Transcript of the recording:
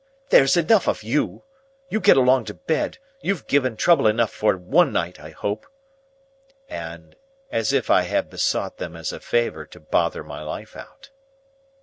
there's enough of you! You get along to bed; you've given trouble enough for one night, I hope!" As if I had besought them as a favour to bother my life out.